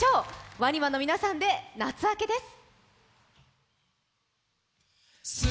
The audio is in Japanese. ＷＡＮＩＭＡの皆さんで「夏暁」です。